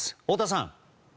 太田さん。